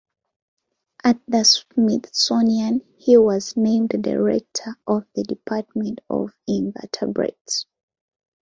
At the Smithsonian, he was named the director of the department of invertebrates.